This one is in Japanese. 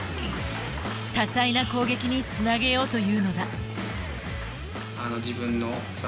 多彩な攻撃につなげようというのだ。